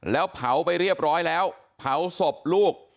แล้วเผาไปเรียบร้อยแล้วเผาศพลูก